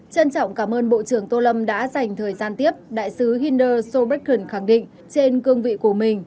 trân trọng cảm ơn bộ trưởng tô lâm đã dành thời gian tiếp đại sứ hinder sobeken khẳng định trên cương vị của mình